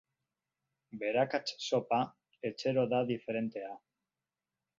Berakatz zopa, etxero da diferentea.